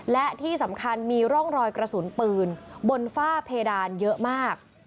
และที่สำคัญมีร่องรอยกระสุนปืนบนฝ้าเพดานเยอะมาก